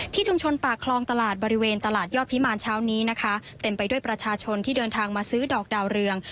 ชุมชนปากคลองตลาดบริเวณตลาดยอดพิมารเช้านี้นะคะเต็มไปด้วยประชาชนที่เดินทางมาซื้อดอกดาวเรือง